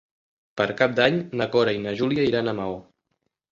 Per Cap d'Any na Cora i na Júlia iran a Maó.